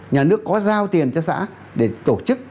nhà nước có giao tiền cho xã để tổ chức